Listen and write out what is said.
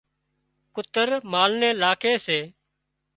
ڪُتر مال نين لاکي سي